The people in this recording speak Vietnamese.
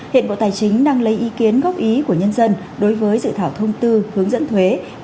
hiện bộ tài chính đang lấy ý kiến góp ý của nhân dân đối với dự thảo thông tư hướng dẫn thuế và giao dịch